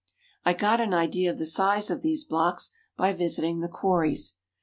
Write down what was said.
I got an idea of the size of these blocks by visiting the quarries.